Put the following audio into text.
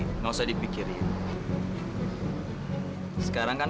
kalau saya demam demamkan